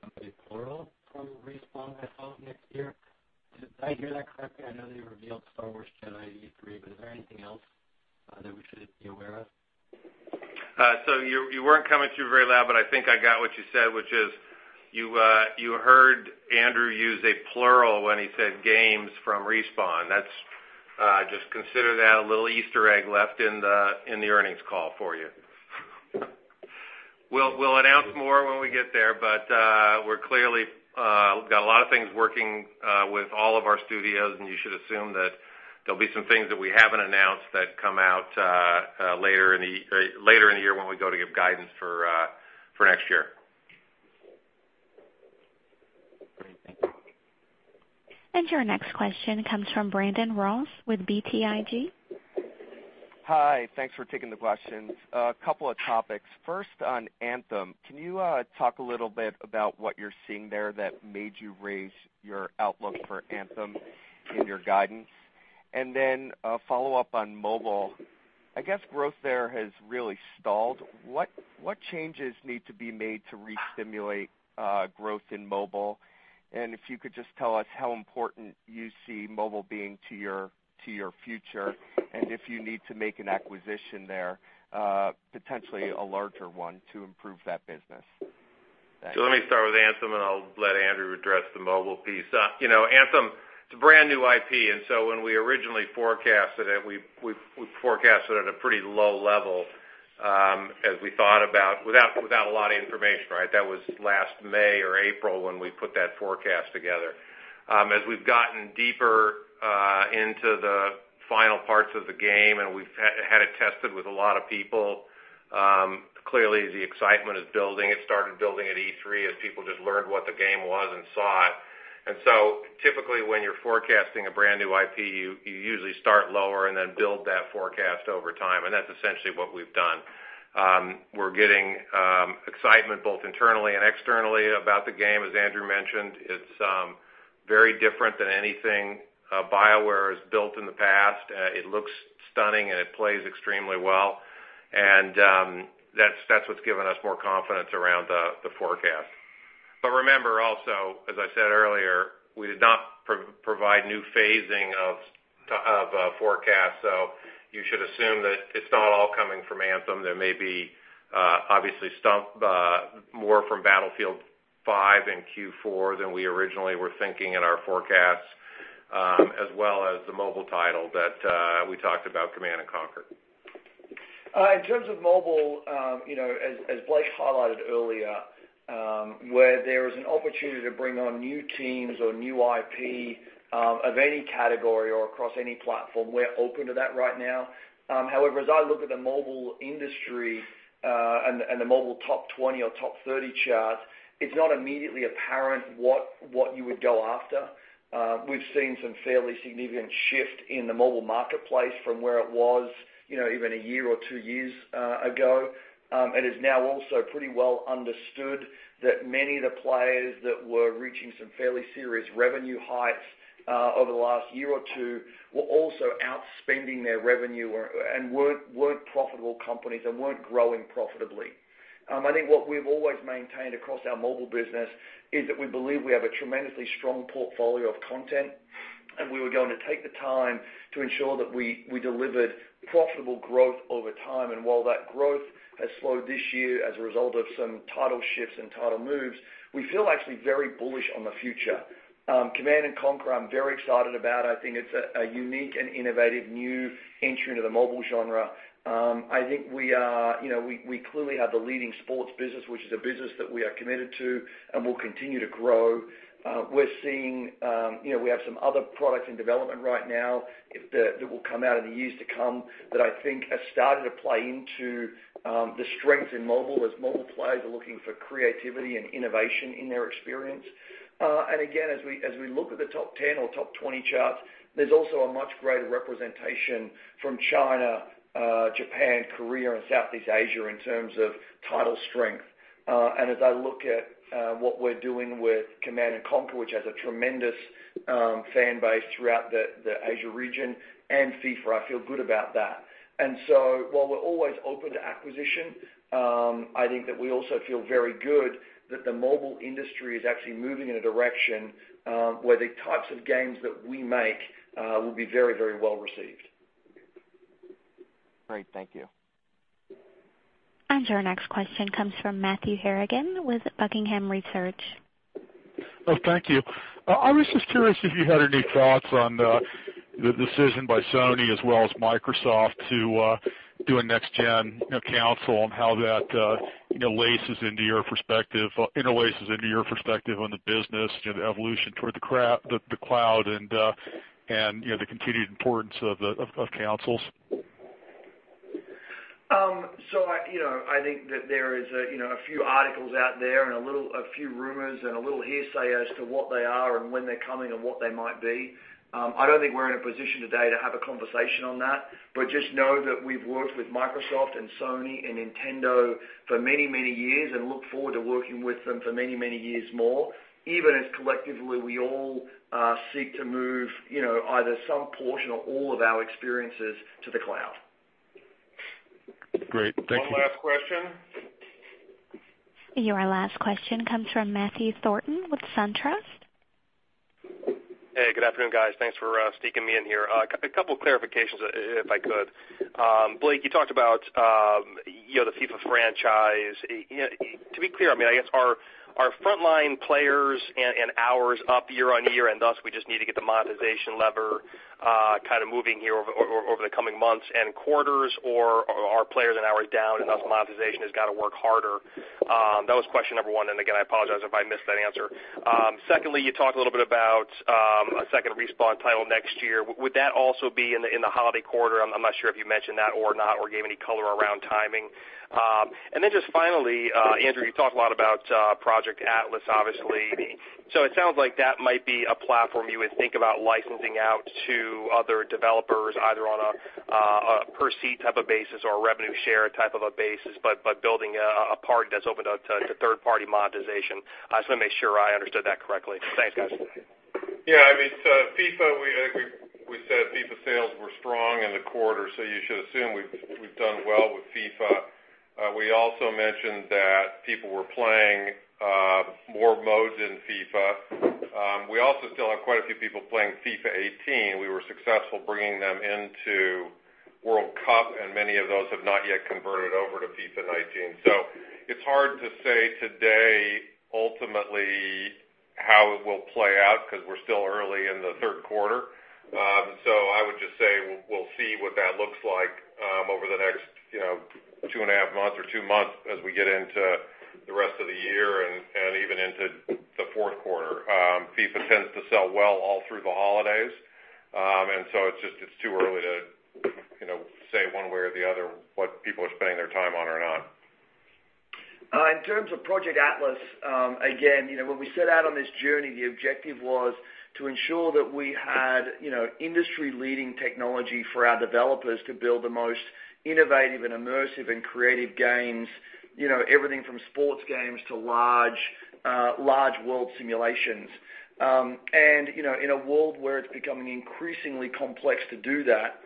company plural, from Respawn, I thought, next year. Did I hear that correctly? I know that you revealed Star Wars Jedi at E3, but is there anything else that we should be aware of? You weren't coming through very loud, I think I got what you said, which is you heard Andrew use a plural when he said games from Respawn. Just consider that a little Easter egg left in the earnings call for you. We'll announce more when we get there, we've got a lot of things working with all of our studios, and you should assume that there'll be some things that we haven't announced that come out later in the year when we go to give guidance for next year. Great. Thank you. Your next question comes from Brandon Ross with BTIG. Hi. Thanks for taking the questions. A couple of topics. First, on Anthem, can you talk a little bit about what you're seeing there that made you raise your outlook for Anthem in your guidance? Then a follow-up on mobile. I guess growth there has really stalled. What changes need to be made to restimulate growth in mobile? If you could just tell us how important you see mobile being to your future, and if you need to make an acquisition there, potentially a larger one to improve that business. Let me start with Anthem, and I'll let Andrew address the mobile piece. Anthem, it's a brand-new IP, when we originally forecasted it, we forecasted at a pretty low level, as we thought about without a lot of information, right? That was last May or April when we put that forecast together. As we've gotten deeper into the final parts of the game, and we've had it tested with a lot of people, clearly the excitement is building. It started building at E3 as people just learned what the game was and saw it. Typically, when you're forecasting a brand-new IP, you usually start lower and then build that forecast over time, and that's essentially what we've done. We're getting excitement both internally and externally about the game. As Andrew mentioned, it's very different than anything BioWare has built in the past. It looks stunning, and it plays extremely well. That's what's given us more confidence around the forecast. Remember also, as I said earlier, we did not provide new phasing of forecasts. You should assume that it's not all coming from Anthem. There may be obviously more from Battlefield V in Q4 than we originally were thinking in our forecast, as well as the mobile title that we talked about, Command & Conquer. In terms of mobile, as Blake highlighted earlier, where there is an opportunity to bring on new teams or new IP of any category or across any platform, we're open to that right now. However, as I look at the mobile industry and the mobile top 20 or top 30 charts, it's not immediately apparent what you would go after. We've seen some fairly significant shift in the mobile marketplace from where it was even a year or two years ago. It is now also pretty well understood that many of the players that were reaching some fairly serious revenue heights over the last year or two were also outspending their revenue and weren't profitable companies and weren't growing profitably. I think what we've always maintained across our mobile business is that we believe we have a tremendously strong portfolio of content, and we were going to take the time to ensure that we delivered profitable growth over time. While that growth has slowed this year as a result of some title shifts and title moves, we feel actually very bullish on the future. Command & Conquer, I'm very excited about. I think it's a unique and innovative new entry into the mobile genre. I think we clearly have the leading sports business, which is a business that we are committed to and will continue to grow. We have some other products in development right now that will come out in the years to come that I think have started to play into the strength in mobile as mobile players are looking for creativity and innovation in their experience. Again, as we look at the top 10 or top 20 charts, there's also a much greater representation from China, Japan, Korea, and Southeast Asia in terms of title strength. As I look at what we're doing with Command & Conquer, which has a tremendous fan base throughout the Asia region, and FIFA, I feel good about that. While we're always open to acquisition, I think that we also feel very good that the mobile industry is actually moving in a direction where the types of games that we make will be very well received. Great. Thank you. Our next question comes from Matthew Harrigan with Buckingham Research. Oh, thank you. I was just curious if you had any thoughts on the decision by Sony as well as Microsoft to do a next gen console and how that interlaces into your perspective on the business, the evolution toward the cloud, and the continued importance of consoles. I think that there is a few articles out there and a few rumors and a little hearsay as to what they are and when they're coming and what they might be. I don't think we're in a position today to have a conversation on that. Just know that we've worked with Microsoft and Sony and Nintendo for many years and look forward to working with them for many years more, even as collectively we all seek to move either some portion or all of our experiences to the cloud. Great. Thank you. One last question. Your last question comes from Matthew Thornton with SunTrust. Hey, good afternoon, guys. Thanks for sneaking me in here. A couple of clarifications, if I could. Blake, you talked about the FIFA franchise. To be clear, I guess our frontline players and hours up year-over-year, and thus we just need to get the monetization lever kind of moving here over the coming months and quarters, or are players and hours down and thus monetization has got to work harder? That was question number 1. Again, I apologize if I missed that answer. Secondly, you talked a little bit about a second Respawn title next year. Would that also be in the holiday quarter? I am not sure if you mentioned that or not or gave any color around timing. Then just finally Andrew, you talked a lot about Project Atlas, obviously. It sounds like that might be a platform you would think about licensing out to other developers, either on a per-seat type of basis or a revenue share type of a basis, but building a part that is open to third-party monetization. I just want to make sure I understood that correctly. Thanks, guys. Yeah. FIFA, we said FIFA sales were strong in the quarter, you should assume we've done well with FIFA. We also mentioned that people were playing more modes in FIFA. We also still have quite a few people playing FIFA 18. We were successful bringing them into World Cup, and many of those have not yet converted over to FIFA 19. It's hard to say today ultimately how it will play out because we're still early in the third quarter. I would just say we'll see what that looks like over the next two and a half months or two months as we get into the rest of the year and even into the fourth quarter. FIFA tends to sell well all through the holidays. It's just too early to say one way or the other what people are spending their time on or not. In terms of Project Atlas, again, when we set out on this journey, the objective was to ensure that we had industry-leading technology for our developers to build the most innovative and immersive and creative games. Everything from sports games to large world simulations. In a world where it's becoming increasingly complex to do that,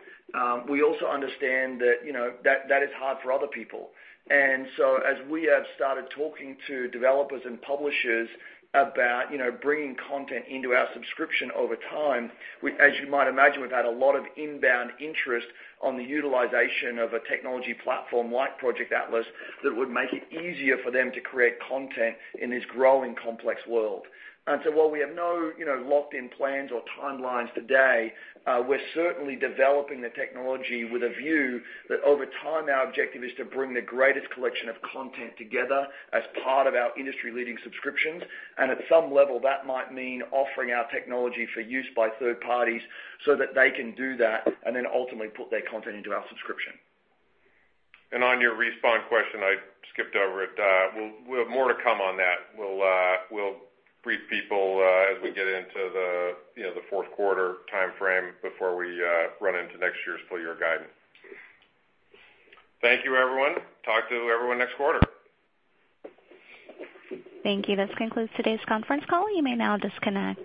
we also understand that is hard for other people. As we have started talking to developers and publishers about bringing content into our subscription over time, as you might imagine, we've had a lot of inbound interest on the utilization of a technology platform like Project Atlas that would make it easier for them to create content in this growing complex world. While we have no locked-in plans or timelines today, we're certainly developing the technology with a view that over time, our objective is to bring the greatest collection of content together as part of our industry-leading subscriptions. At some level, that might mean offering our technology for use by third parties so that they can do that and then ultimately put their content into our subscription. On your Respawn question, I skipped over it. We'll have more to come on that. We'll brief people as we get into the fourth quarter timeframe before we run into next year's full-year guidance. Thank you, everyone. Talk to everyone next quarter. Thank you. This concludes today's conference call. You may now disconnect.